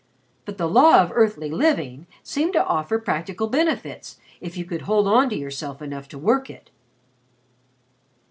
But the Law of Earthly Living seemed to offer practical benefits if you could hold on to yourself enough to work it.